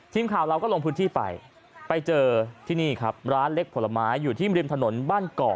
ทีมข่าวเราก็ลงพื้นที่ไปไปเจอที่นี่ครับ